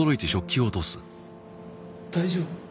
大丈夫？